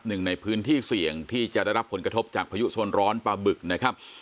หนึ่งในพื้นที่เสี่ยงที่จะได้รับผลกระทบจากพายุโซนร้อนปลาบึกนะครับ